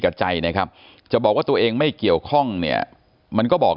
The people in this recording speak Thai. กับใจนะครับจะบอกว่าตัวเองไม่เกี่ยวข้องเนี่ยมันก็บอก